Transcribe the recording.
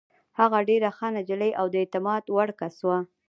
هغه ډېره ښه نجلۍ او د اعتماد وړ کس وه.